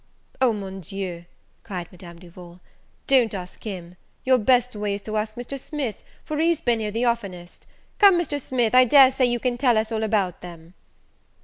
"O! Mon Dieu!" cried Madame Duval, "don't ask him; your best way is to ask Mr. Smith, for he's been here the oftenest. Come, Mr. Smith, I dare say you can tell us all about them."